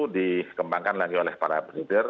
dikembangkan lagi oleh para breader